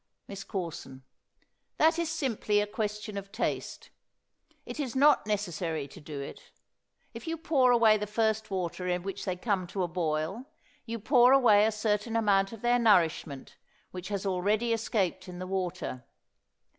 MISS CORSON. That is simply a question of taste. It is not necessary to do it. If you pour away the first water in which they come to a boil, you pour away a certain amount of their nourishment, which already has escaped in the water.